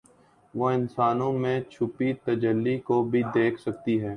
وہ انسانوں میں چھپی تجلی کو بھی دیکھ سکتی ہیں